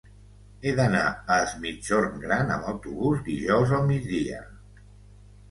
He d'anar a Es Migjorn Gran amb autobús dijous al migdia.